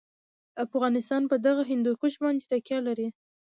افغانستان په دغه هندوکش باندې تکیه لري.